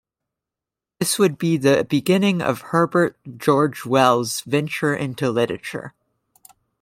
This would be the beginning of Herbert George Wells's venture into literature.